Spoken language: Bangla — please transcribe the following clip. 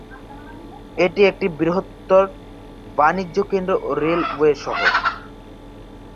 এটি একটি বৃহৎ বাণিজ্য কেন্দ্র ও রেলওয়ে শহর।